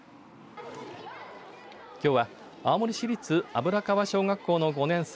きょうは青森市立油川小学校の５年生